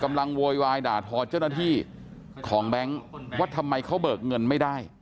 โวยวายด่าทอเจ้าหน้าที่ของแบงค์ว่าทำไมเขาเบิกเงินไม่ได้